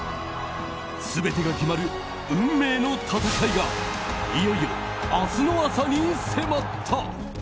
全てが決まる運命の戦いがいよいよ明日の朝に迫った。